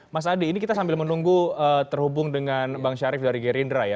mas adi ini kita sambil menunggu terhubung dengan bang syarif dari gerindra ya